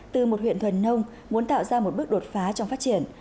từ một huyện thuần nông muốn tạo ra một bước đột phá trong phát triển